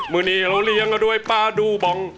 มือนี้เราเลี้ยงกันด้วยป้าดูบอง